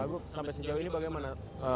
pak gup sampai sejauh ini bagaimana